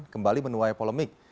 kembali menuai polemik